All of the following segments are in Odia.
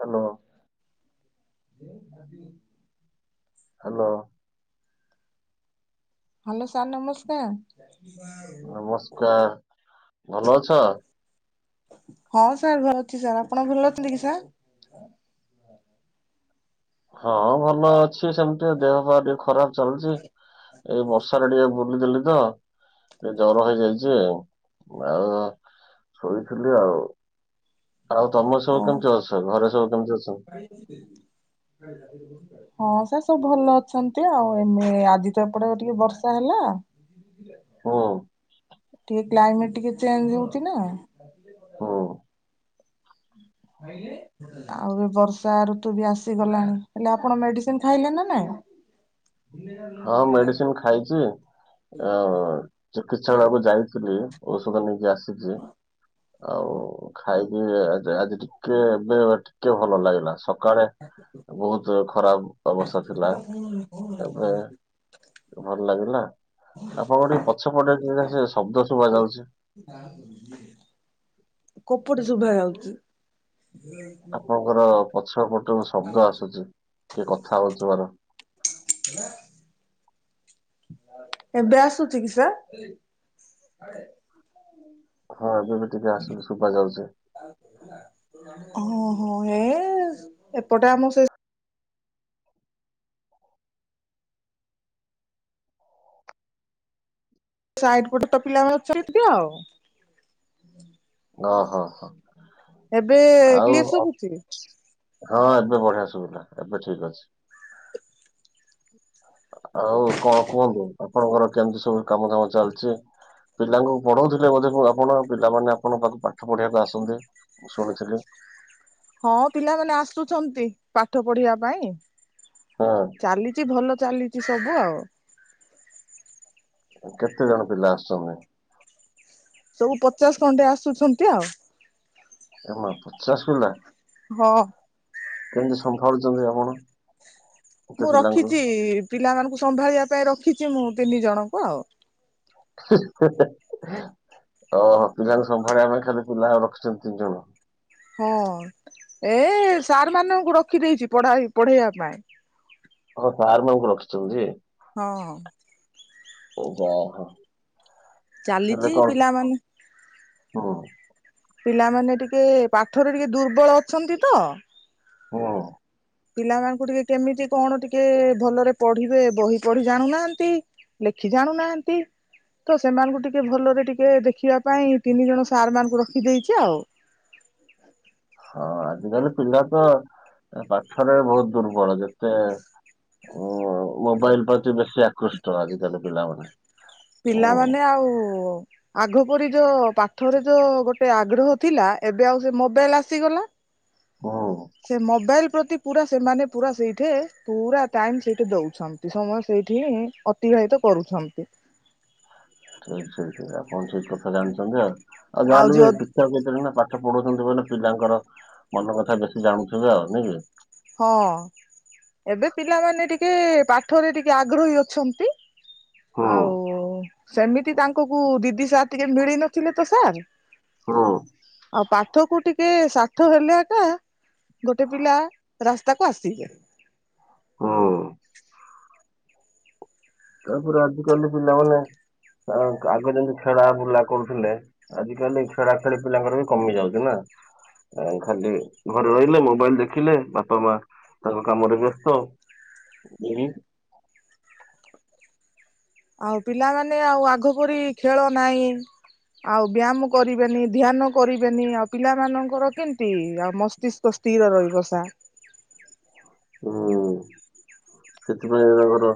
ହାଲୋ। [inaudible] ହେଲୋ। ହାଲୋ ସାର୍ ନମସ୍କାର। ନମସ୍କାର ଭଲ ଅଛ। ହଁ ସାର୍ ଭଲ ଅଛି ସାର୍ ଆପଣ ଭଲ ଅଛନ୍ତି କି ସାର୍। ହଁ ଭଲ ଅ ଛି ସେମିତି ଦେହ ପା ଟିକେ ଖରାପ ଚାଲିଛି ଏଇ ବର୍ଷାରେ ଟିକେ ବୁଲି ଦେଲି ତ। ଟିକେ ଜର ହେଇଯାଇଛି ଆଉ ଶୋଇଥିଲି ଆଉ। ଆଉ ତମର ଓ ସବୁ କେମିତି ଅଛ ଘରେ ସବୁ କେମତି ଅଛନ୍ତି? ହଁ ସାର୍ ସବୁ ଭଲ ଅଛନ୍ତି ଆଉ ମେ ଆଜି ତ ଏପଟେ ଟିକେ ବର୍ଷା ହେଲା। ହୁଁ ଟିକେ କ୍ଲାଇମେଟ ଟିକେ ଚେଞ୍ଜ ହଉଛି ନା। ହୁଁ ଆଉ ଏ ବର୍ଷା ଋତୁ ବି ଆସିଗଲାଣି ହେଲେ ଆପଣ ମେଡିସିନ ଖାଇଲେଣି ନା ନାଇଁ। ହଁ ମେଡିସିନ ଖାଇଛି ଆଉ ଚିକିତ୍ସାଳୟକୁ ଯାଇଥିଲି। ଔଷଧ ନେଇକି ଆସିଛି। ଆଉ ଖାଇକି ଆଜ -ଆଜି ଟିକେ ଏବେ ଏ -ଟିକେ ଭଲ ଲାଗିଲା ସ ସକାଳେ ବହୁତ ଖରାପ ଅବସ୍ଥା ଥିଲା ଏବେ। ଟିକେ ଭଲ ଲାଗିଲା ଆପଣଙ୍କ ଟିକେ ପଛ ପଟେ ଟିକେ ସେ ଶବ୍ଦ ଶୁଭ ଯାଉଛି। କୌପଟେ ଶୁଭା ଯାଉଛି। ଆପଣଙ୍କ ର ପଛ ପଟୁ ଶବ୍ଦ ଆସୁଛି କିଏ କଥା ହଉଥିବାର। [unintelligible] ଏବେ ଆସୁଛି କି ସାର୍। ହଁ ଏବେବି ଟିକେ ଆସୁଛି ସୁବା ଯାଉଚି। ହଁ ହେ ଏପଟେ ଆମ ସେ। ସାଇଡ ଗୋଟେ ତ ପିଲା ଅଛନ୍ତି। ଆଉ ଓ ହଁ ହଁ ଏବେ ଆଉ କ୍ଲିଅର ସୁଭୁଛି। ହଁ ଏବେ ବଢିଆ ଶୁଭିଲା ଏବେ ଠିକ ଅଛି। ଆଉ କଣ କୁହନ୍ତୁ। ଆପଣଙ୍କର କେମିତି ସବୁ କାମ ଦାମ ଚାଲିଛି? ପିଲାଙ୍କୁ ପଢଉଥିଲେ ବୋଧେ ଆପଣ ପିଲାମାନେ ଆପଣଙ୍କ ପାଖକୁ ପାଠ ପଢିବାକୁ ଆସନ୍ତି ମୁଁ ଶୁଣିଥିଲି। ହଁ ପିଲାମାନେ ଆସୁଛନ୍ତି। ପାଠ ପଢିବା ପାଇଁ ହଁ ଚାଲିଛି ଭଲ ଚାଲିଛି। ସବୁ ଆଉ କେତେ ଜଣ ପିଲା ଆସୁଛନ୍ତି? ସବୁ ପଚାଶ ଖଣ୍ଡେ ଆସୁଛନ୍ତି ଆଉ। ଏ ମା ପଚାଶ ପିଲା? ହଁ। କେମିତି ସମ୍ଭାଳୁଛନ୍ତି ଆପଣ? ଏତେ ମୁଁ ପିଲାଙ୍କୁ? ରଖିଛି ପିଲାମାନଙ୍କୁ ସମ୍ଭାଳିବା ପାଇଁ ରଖିଛି। ମୁଁ ତିନି ଜଣଙ୍କୁ ଓହୋ ପିଲାଙ୍କୁ ସମ୍ଭାଳିବା ପାଇଁ ଖାଲି ପିଲା ଆଉ ରଖିଛନ୍ତି ତିନି ଜଣ? ହଁ ଏ ସାର୍ ମାନଙ୍କୁ ରଖି ଦେଇଛି ପଢା ପଢେଇବା ପାଇଁ। ଆରେ ସାର୍ ମାନଙ୍କୁ ରଖିଛନ୍ତି ଯେ ହଁ। ଓ ହ ହୋ। ଚାଲିଛି ପିଲାମାନେ ହଁ। ପିଲାମାନେ ଟିକେ ପାଠରେ ଟିକେ ଦୁର୍ବଳ ଅଛନ୍ତି ତ। ହଁ। ପିଲାମାନଙ୍କୁ ଟିକେ କେମିତି କଣ ଟିକେ ଭଲରେ ପଢିବେ ବହି ପଢି ଜାଣୁନାହାନ୍ତି। ଲେଖି ଜାଣୁନାହାନ୍ତି। ତ ସେମାନଙ୍କୁ ଟିକେ ଭଲରେ ଟିକେ ଦେଖିବା ପାଇଁ ତିନି ଜଣ ସାର୍ ମାନଙ୍କୁ ରଖିଦେଇଛି ଆଉ। [inaudible] ହଁ ଆଜିକାଲି ପିଲା ତ ପାଠରେ ବହୁତ ଦୁର୍ବଳ ଯେତେ ଓ ମୋବାଇଲ ପ୍ରତି ବେଶୀ ଆକୃଷ୍ଟ ଆଜିକାଲି ପିଲାମାନେ। ଓ ପିଲାମାନେ ଆଉ ଆଗ ପରି ଯୋଉଁ ପାଠରେ ଯୋଉ ଗୋଟେ ଆଗ୍ରହ ଥିଲା। ଏବେ ଆଉ ସେ ମୋବାଇଲ ଆସିଗଲା ହଁ। ସେ ମୋବାଇଲ ପ୍ରତି ପୁରା ସେମାନେ ପୁରା ସେଇଠ ପୁରା ଟାଇମ ସେଇଠି ଦଉଛନ୍ତି। ସମୟ ସେଇଠି ହିଁ ଅତି ବାହିତ କରୁଛନ୍ତି। ଠିକ ଠିକ ଠିକ ଆପଣ ସେଇ କଥା ଜାଣିଛନ୍ତି। ନା ଆଉ ଗାଁ ରେ ବି ଟିଚର କେତେଜଣ ପାଠ ପଢଉଛନ୍ତି ବୋଲି ପିଲାଙ୍କର ମନ କଥା ବେଶୀ ଜାଣୁଥିବେ ଆଉ ନାଇ କି। ହଁ ଏବେ ପିଲାମାନେ ଟିକେ ପାଠରେ ଟିକେ ଆଗ୍ରହୀ ଅଛନ୍ତି। ହୁଁ ଆଉ ସେମିତି ତାଙ୍କ କ ଦିଦି ସାର୍ ଟିକେ ମିଳି ନଥିଲେ ତ ସାର୍ ହୁଁ ଆଉ ପାଠ କୁ ଟିକ କେ ଷାଠ ହେଲେ ଏକା ଗୋଟେ ପିଲା ରାସ୍ତାକୁ ଆସିଯାଏ। ହଁ। ତାପରେ ଆଜିିକାଲି ପିଲାମାନେ ଆଗ ଯେମିତି ଖେଳା ବୁଲା କରୁଥିଲେ। ଆଜିିକାଲି ଖେଳା ଖେଳି ପିଲାଙ୍କର ବି କମି ଯାଉଛି ନା। ଖାଲି ଘରେ ରହିଲେ ମୋବାଇଲ ଦେଖିଲେ ବାପା ମା ତାଙ୍କ କାମରେ ବ୍ୟସ୍ତ। [unintelligible] ଆଉ ପିଲାମାନେ ଆଉ ଆଗ ପରି ଖେଳ ନାହିଁ। ଆଉ ବ୍ୟାୟାମ କରିବେନି ଧ୍ୟାନ କରିବେନି ଆଉ ପିଲା ମାନଙ୍କର କେମତି ଆଉ ମସ୍ତିଷ୍କ ସ୍ଥିର ରହିବ ସାର୍। [inaudible] ହୁଁ ସେଥିପାଇଁ ତାଙ୍କର।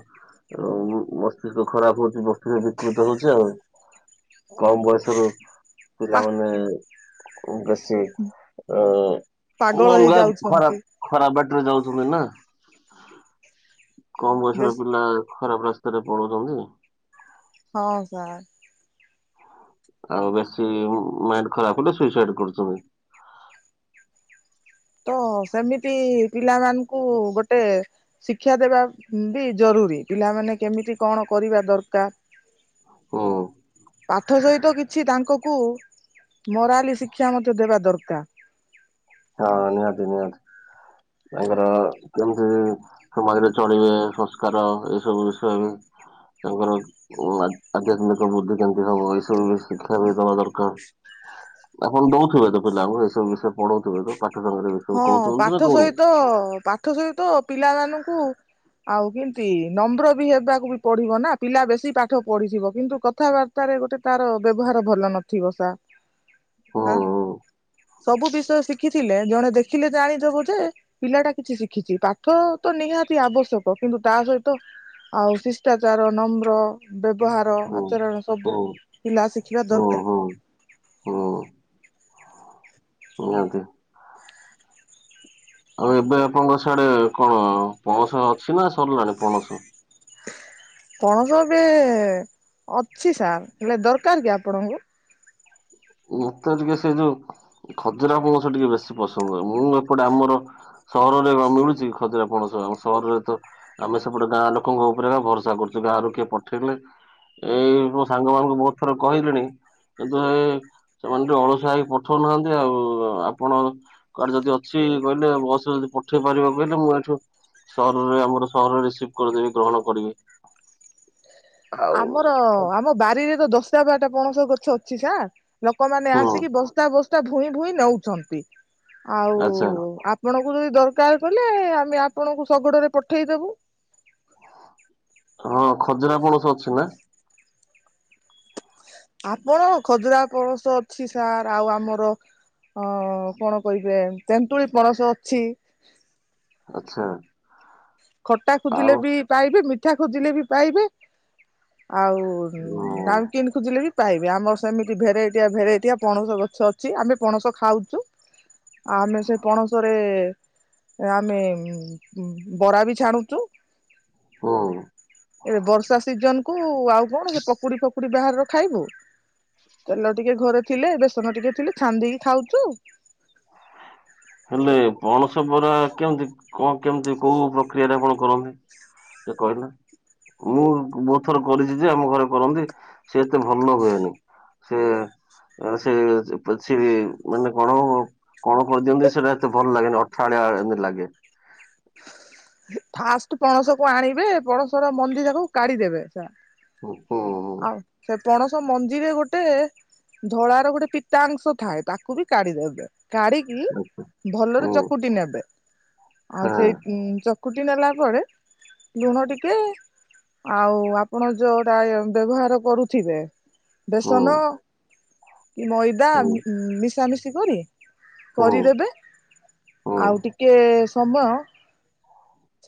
ଆ ମ-ମସ୍ତିଷ୍କ ଖରାପ ହଉଛି ମସ୍ତିଷ୍କ ବିକୃତ ହଉଛି ଆଉ। କମ ବୟସ ରୁ ପା ପିଲାମାନେ। ବେଶୀ ପାଗଳ ଅ-ଅଲଗା ହେଇଯାଉଛନ୍ତି ଖରାପ ଖରାପ ବା ଟ ରେ ଯାଉଛନ୍ତି ନା। କମ ବୟସ ର ଦେଶ ପିଲା ଖରାପ ରାସ୍ତାରେ ପଳଉଛନ୍ତି। ହଁ ସାର୍। ଆଉ ବେଶୀ ମାଇଣ୍ଡ ଖରାପ ହେଲେ ସୁଇସାଇଡ କରୁଛନ୍ତି। ତ ସେମିତି ପିଲାମାନଙ୍କୁ ଗୋଟେ ଶିକ୍ଷା ଦେବା ବି ଜରୁ ରି ପିଲାମାନେ କେମିତି କଣ କରିବା ଦରକାର। ହୁଁ ପାଠ ସହିତ କିଛି ତାଙ୍କ କୁ। ମୋରାଲି ଶିକ୍ଷା ମଧ୍ୟ ଦେବା ଦରକାର। ହଁ ନିହାତି ନିହାତି। ତାଙ୍କର କେମିତି ସମାଜରେ ଚଳିବେ ସଂସ୍କାର ଏଇ ସବୁ ବିଷୟ ବି। ତାଙ୍କର ଅ ଆ-ଆଧ୍ୟାତ୍ମିକ ବୁଦ୍ଧିି କେମିତି ହବ ଏଇ ସବୁ ବି ଶିକ୍ଷା ବି ଦବା ଦରକାର। ଆପଣ ଦଉଥିବେ ତ ପିଲାଙ୍କୁ ଏସବୁ ବିଷୟ ପଢଉଥିବେ ତ ପା ହଁ ପାଠ ସହିତ ପାଠ ସହିତ ପିଲାମାନଙ୍କୁ। ଆଉ କେମିତି ନମ୍ର ବି ହେବାକୁ ବି ପଡିବ ନା ପିଲା ବେଶୀ ପାଠ ପଢିଥିବ କିନ୍ତୁ କଥାବା ତାରେ ଗୋଟେ ତାର ବ୍ୟବହାର ଭଲ ନଥିବ ସା। ହୁଁ ହାଁ ସବୁ ବିଷୟ ଶିଖିଥିଲେ ଜଣେ ଦେଖିଲେ ଜାଣିଦବୁ ଯେ ପିଲାଟା କିଛି ଶିଖିଛି ପାଠ ତ ନିହାତି ଆବଶ୍ୟକ। କିନ୍ତୁ ତା ସହିତ। ଆଉ ଶିଷ୍ଟାଚାର, ନମ୍ର ବ୍ୟ ବ୍ୟବହାର ହୁଁ ଆଚରଣ ସବୁ ହୁଁ ପିଲା ଶିଖିବା ହୁଁ ଦରକାର। ହୁଁ ହୁଁ ନିହାତି। ଆଉ ଏବେ ଆପଣଙ୍କ ସିଆଡେ କଣ ପଣସ ଅଛି ନା ସରିଲାଣି ପଣସ? ପଣସ ଏବେ ଅଛି ସାର୍। ହେଲେ ଦରକାର କି ଆପଣଙ୍କୁ? ମତେ ଟିକେ ସେ ଯୋଉ ଖଜୁରା ପଣସ ଟିକେ ବେଶୀ ପସନ୍ଦ। ମୁଁ ଏପଟେ ଆମର। ସହରରେ କଣ ମିଳୁଛି ଖାଜୁରା ପଣସ ଆମ ସହରରେ ତ ଆମେ ସେପଟେ ଗାଁ ଲୋକଙ୍କ ଉପରେ ଏକା ଭରସା କରୁଛୁ। ଗାଁରୁ କିଏ ପଠେଇଲେ ଏଇ ମୋ ସାଙ୍ଗ ମାନଙ୍କୁ ବହୁତ ଥର କହିଲିଣି କିନ୍ତୁ ଏ। ସେମାନେ ଟିକେ ଅଳସୁଆ ହେଇକି ପଠଉନାହାନ୍ତି ଆଉ ଆପଣ କୁଆଡେ ଯଦି ଅଛି କହିଲେ ବସ ଯଦି ପଠେଇ ପାରିବ କହିଲେ ମୁଁ ଏଠୁ ସହରରେ ଆମର ସହରରେ ରିସିଭ କରିଦେବି ଗ୍ରହଣ କରିବି। ଆଉ ଆମର ଆମ ବାରିରେ ତ ଦଶ ଟା ବାରଟା ପଣସ ଗଛ ଅଛି ସାର୍। ଲୋକମାନେ ହୁଁ ଆସିକି ବସ୍ତା ବସ୍ତା ଭୁଇଁ ଭୁଇଁ ନଉଛନ୍ତି ଆଉ ଆଚ୍ଛା ଆପଣ। କୁ ଯଦି ଦରକାର କହିଲେ ଆମେ ଆପଣଙ୍କୁ ଶଗଡରେ ପଠେଇଦେବୁ। ହଁ। ଖଜୁରା ପଣସ ଅଛି ନା? ଆପଣ ଖଜୁରା ପଣସ ଅଛି ସାର୍ ଆଉ ଆମର। ଅ କଣ କହିବେ ତେନ୍ତୁଳି ପଣସ ଅଛି। ଆଚ୍ଛା। ଖଟା ଖୋଜିଲେ ଆଉ ବି ପାଇବେ, ମିଠା ଖୋଜିଲେ ବି ପାଇବେ। ଆଉ ଓ ନାଉ କିନ ଖୋଜିଲେ ବି ପାଇବେ ଆମର ସେମିତି ଭେରାଇଟିଆ ଭେରାଇଟିଆ ପଣସ ଗଛ ଅଛି ଆମେ ପଣସ ଖାଉଛୁ। ଆମେ ସେ ପଣସରେ ଆମେ ବରା ବି। ଛାଣୁଚୁ। ହୁଁ। ଉ ଆଉ କଣ କି ପକୁଡି ଫକୁଡି ବାହାରର ଖାଇବୁ। ତେଲ ଟିକେ ଘରେ ଥିଲେ, ବେସନ ଟିକେ ଥିଲେ ଛାଣୀ ଦେଇକି ଖାଉଛୁ। ହେଲେ ପଣସ ବରା କେମତି କଣ କେମିତି କୋଉ ପ୍ରକ୍ରିୟାରେ ଆପଣ କରନ୍ତି? ସେ କହିଲେ। ମୁଁ ବହୁତ୍ ଥର କରିଛି ଯେ ଆମ ଘରେ କରନ୍ତି। ସେ ଏତେ ଭଲ ହୁଏନି। ସେ ସେ ପେଲ୍ ସିଲି ମାନେ କଣ? କଣ କରିଦିଅନ୍ତି ସେଇଟା ଏତେ ଭଲ୍ ଲାଗେନି ଅଠାଳିଆ ଏମିତି ଲାଗେ। ଫାଷ୍ଟ ପଣସକୁ ଆଣିବେ ପଣସର ମଞ୍ଜି ଯାକୁ କାଢିଦେବେ ସାର୍। ହୁଁ ହୁଁ ଆଉ ସେ ପଣସ ମଞ୍ଜିରେ ଗୋଟେ ଧଳାର ଗୋଟେ ପିତାଂଶ ଥାଏ। ତାକୁ ବି କାଢିଦେବେ। କାଢିକି ଭଲରେ ହୁଁ ଚକୁଟି ନେବେ। ଆଉ ସେଇ ଉଁ ଚ କୁଟି ନେଲା ପରେ ଲୁଣ ଟିକେ ଆଉ ଆପଣ ଯୋଉଟା ଏ ଅ ବ୍ୟବହାର କରୁଥିବେ ବେସନ ହୁଁ କି ମଇଦା ଉଁ ଉଁ ମିଶାମିଶି କରି। ହଁ ହୁଁ କରିଦେବେ ହୁଁ ଆଉ ଟିକେ ସମୟ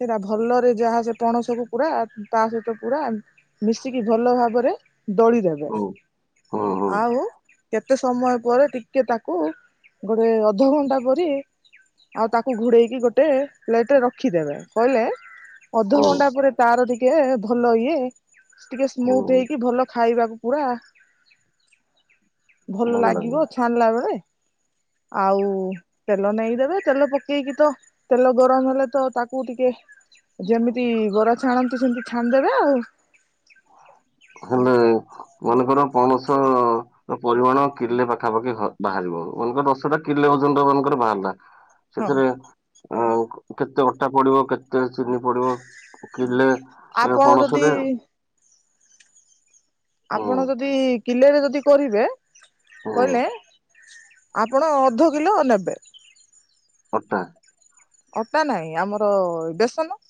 ସେଟା ଭଲରେ ଯାହା ସେ ପଣସକୁ ପୁରା ତା ସହିତ ପୁରା ମିଶିକି ଭଲ ଭାବରେ ଦଳିଦେବେ ହୁଁ ହୁଁ ହୁଁ ହୁଁ ହୁଁ ଆଉ କେ ତେ ସମୟ ପରେ ଟିକେ ତାକୁ ଗୋଟେ ଅଧଘଣ୍ଟା ପରି ଆଉ ତାକୁ ଘୋଡେଇକି ଗୋଟେ ପ୍ଲେଟରେ ରଖିଦେବେ। କହିଲେ ହୁଁ ଅଧଘଣ୍ଟା ପରେ ତାର ଟିକେ ଭଲ ଇଏ ଟିକେ ସ୍ମୁଥ୍ ହୁଁ ହେଇକି ଭଲ ଖ୍ ଖାଇବାକୁ ପୁରା ଭଲ ଲାଗିବ ଛାଣିଲା ବେଳେ। [inaudible] ଆଉ ତେଲ ନେଇ ଦେବେ ତେଲ ପକେଇକି ତ ତେଲ ଗରମ ହେଲେ ତ ତାକୁ ଟିକେ ଯେମିତି ବରା ଛାଣନ୍ତି ସେମିତି ଛାଣିଦେବେ ଆଉ। ହେଲେ ମନେକର ପଣସ ପରିମାଣ କିଲେ ପାଖାପାଖି ବା-ବାହାରିବ ମନେକର ଦଶଟା କିଲେ ଓଜନ୍ ର ମନେକର ବାହାରିଲା। ହଁ ସେଥିରେ କେତେ ଅଟା ପଡିବ କେତେ ଚିନି ପଡିବ କିିଲେ ଏ ଆପଣ ଯଦି ପଣସରେ? ହୁଁ ଆପଣ ଯଦି କିଲେରେ ଯଦି କରିବେ ହୁଁ କହିଲେ। ଆପଣ ଅଧ କିଲ ନେବେ। ଅଟା? ଅଟା ନାହିଁ ଆମର ବେସନ।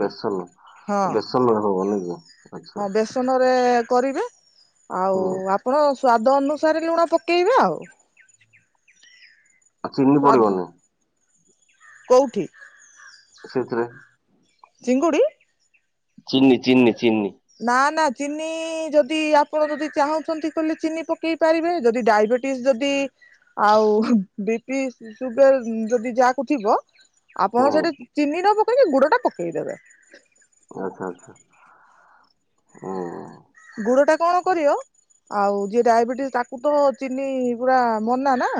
ବେସନ ହଁ ବେସନରେ ହବ ନାଇଁ କି ଆଚ୍ଛା। ହଁ ବେସନରେ କରିବେ ଆଉ ହୁଁ ଆପଣ ସ୍ଵାଦ ଅନୁସାରେ ଲୁଣ ପକେଇବେ ଆଉ। ଆ ଚିନି ସ୍ଵାଦ ପଡ଼ିିବନି? କୋଉଠି? ସେଥିରେ। ଚିଙ୍ଗୁଡ଼ି? ଚିନି ଚିନି। ଚିନି ନା ନା ଚିନି ଯଦି ଆପଣ ଯଦି ଚାହୁଁଛନ୍ତି କହିଲେ ଚିନି ପକେଇ ପାରିବେ ଯଦି ଡାଇବେଟିସ୍ ଯଦି ଆଉ ବିପି ସୁୁଗାର୍ ଯଦି ଯାହାକୁ ଥିବ ଆପଣ ହୁଁ ସେଠି ଚିନି ନ ପକେଇକି ଗୁଡ଼ ଟା ପକେଇ ଦେବେ। ଆଚ୍ଛା ଆଚ୍ଛା ହ ଗୁଡ଼ ଟା କଣ କରିବ? ଆଉ ଯିଏ ଡାଇବେଟିସ୍ ତାକୁ ତ ଚିନି ପୁରା ମନା ନା।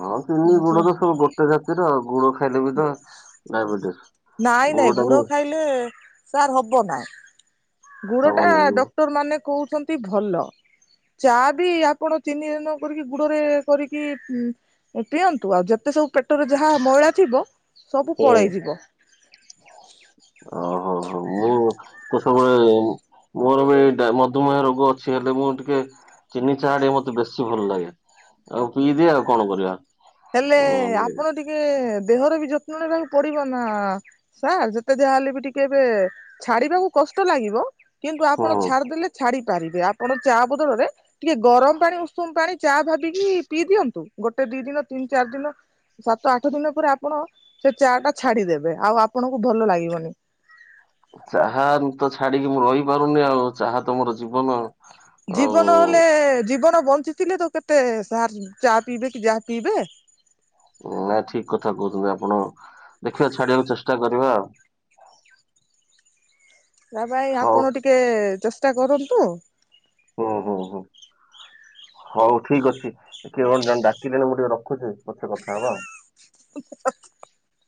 ହଁ ଚିନି ଗୁଡ଼ ତ ସବୁ ଗୋଟେ ଜାତିର ଆଉ ଗୁଡ଼ ଖାଇଲେ ବି ତ ଡାଇବେଟିସ୍ ନାଇଁ ନାଇଁ ଗୁଡ଼ ଟାକୁ ଗୁଡ ଖାଇଲେ ସାର୍ ହବ ନା। ଗୁଡ଼ ଟା ହବନି ଡକ୍ଟର ମାନେ କହୁଛନ୍ତି ଭଲ। ଚା ବି ଆପଣ ଚିନି ନ କରିକି ଗୁଡ଼ରେ କରିକି ପିଅନ୍ତୁ ଆଉ ଯେତେ ସବୁ ପେଟରେ ଯାହା ମଇଳା ଥିବ ସବୁ ଏ ପଳେଇ ଯିବ। ଓହୋ ହୋ ମୁଁ ତ ସବୁବେଳେ ମୋର ବି ମଧୁମେହ ରୋଗ ଅଛି ହେଲେ ମୁଁ ଟିକେ ଚିନି ଚାହା ଟିକେ ମତେ ବେଶୀ ଭଲ ଲାଗେ ଆଉ ପିଇଦିଏ ଆଉ କଣ କରିବା। ହେଲେ ଉଁ, ଆପଣ ଟିକେ ଦେହର ବି ଯତ୍ନ ନେବାକୁ ପଡିବ ନା ସାର୍ ଯେତେ ଯହାହଲେ ବି ଟିକେ ଏବେ ଛାଡିବାକୁ କ ଲାଗିବ କିନ୍ତୁ ହୁଁ ଆପଣ ଛାଡିଦେଲେ ଛାଡି ବେ ଆପଣ ଚା ବଦଳରେ ଟିକେ ଗରମ ପାଣି ଉଷୁମ ପାଣି ଚା ଭାବିକି ପିଇ ଦିଅନ୍ତୁ ଗୋଟେ ଦି ଦିନ ତିନି ଚାରି ଦିନ ସାତ ଆଠ ଦିନ ପରେ ଆପଣ ସେ ଚା ଟା ଛାଡିଦେବେ ଆଉ ଆପଣଙ୍କୁ ଭଲ ଲାଗିବନି। ଚାହା ତ ଛାଡିକି ମୁଁ ରହିପାରୁନି ଆଉ ଚାହା ତମର ଜୀବନ। ଜୀବନ ହେଲେ ଜୀବନ ବଞ୍ଚିଥିଲେ ତ କେତେ ଚା ପିଇବେ କି ଯାହା ପିଇବେ ନାଇ ଠିକ କଥା କହୁଛନ୍ତି ଆପଣ ଦେଖିବା ଛାଡିବାକୁ ଚେଷ୍ଟା କରିବା ଆଉ। [inaudible] ତା ଭାଇ ହଉ ଆପଣ ଟିକେ ଚେଷ୍ଟା କରନ୍ତୁ। ହଁ ହୋ ହଁ। ହଉ ଠିକ ଅଛି କିଏ କଣ ଜଣ ଡାକିଲେଣି ମୁଁ ଟିକେ ରଖୁଛି ପଛେ କଥା ହବା ଆଉ। [inaudible]